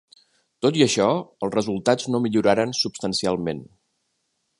Tot i això els resultats no milloraren substancialment.